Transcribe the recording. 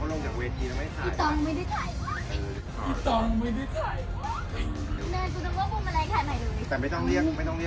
น้องเบนที่โทษนี่น้องโทษหน่อยครับพี่